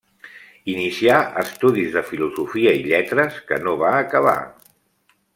Inicià estudis de filosofia i lletres, que no va acabar.